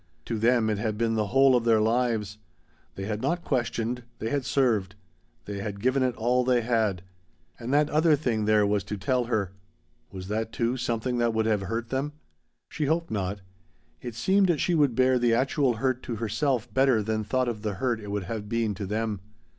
To them, it had been the whole of their lives. They had not questioned; they had served. They had given it all they had. And that other thing there was to tell her ? Was that, too, something that would have hurt them? She hoped not. It seemed she could bear the actual hurt to herself better than thought of the hurt it would have been to them.